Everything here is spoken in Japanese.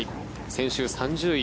先週３０位